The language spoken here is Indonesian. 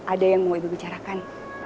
ada yang mau ibu ibu bicarakan